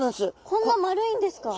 こんな丸いんですか？